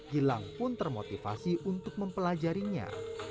gilang pun termotivasi untuk mempelajarinya